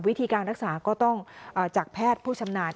วิธีการรักษาก็ต้องจากแพทย์ผู้ชำนาญ